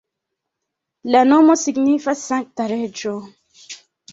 La nomo signifas sankta reĝo.